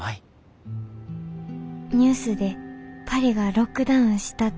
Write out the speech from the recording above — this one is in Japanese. ニュースでパリがロックダウンしたって知りました。